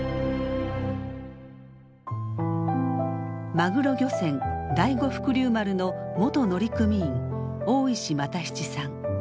マグロ漁船第五福竜丸の元乗組員大石又七さん。